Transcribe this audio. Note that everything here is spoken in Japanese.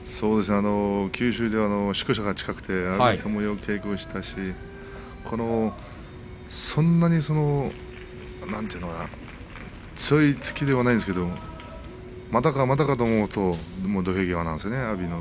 九州では宿舎が近くてよく稽古したしそんなに強い突きではないですけどまだかまだかと思うともう土俵際なんですね阿炎は。